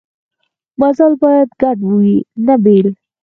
مزال باید ګډ وي نه بېل.